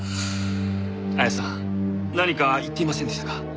亜矢さん何か言っていませんでしたか？